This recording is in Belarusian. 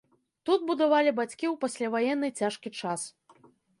Тут будавалі бацькі ў пасляваенны цяжкі час.